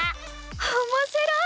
おもしろい！